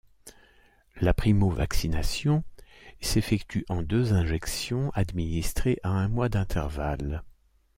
La primo-vaccination s'effectue en deux injections administrées à un mois d'intervalle.